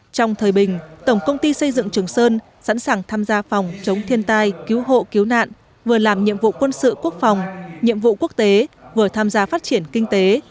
trong thời bình tổng công ty xây dựng trường sơn sẵn sàng tham gia phòng chống thiên tai cứu hộ cứu nạn vừa làm nhiệm vụ quân sự quốc phòng nhiệm vụ quốc tế vừa tham gia phát triển kinh tế